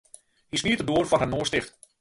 Hy smiet de doar foar har noas ticht.